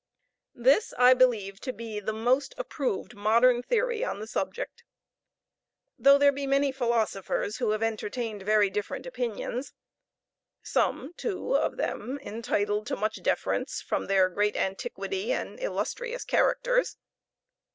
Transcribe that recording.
This I believe to be the most approved modern theory on the subject; though there be many philosophers who have entertained very different opinions; some, too, of them entitled to much deference from their great antiquity and illustrious characters.